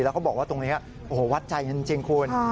แล้วเขาบอกว่าตรงนี้โอ้โหวัดใจจริงคุณ